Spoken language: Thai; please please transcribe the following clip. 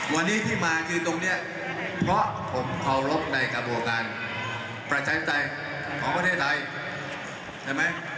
วันนี้ที่มาคือตรงนี้เพราะผมเคารพในกระบวนการประชาธิปไตยของประเทศไทยใช่ไหม